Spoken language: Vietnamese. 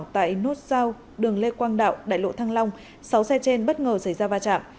tại nút giao đường lê quang đạo đại lộ thăng long sáu xe trên bất ngờ xảy ra va chạm